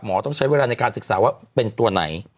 ต้องใช้เวลาในการศึกษาว่าเป็นตัวไหน